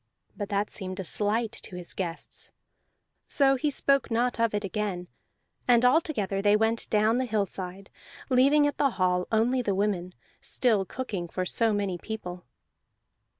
But that seemed a slight to his guests; so he spoke not of it again, and all together they went down the hillside, leaving at the hall only the women, still cooking for so many people.